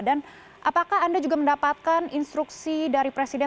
dan apakah anda juga mendapatkan instruksi dari presiden